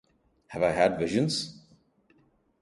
Have I had visions?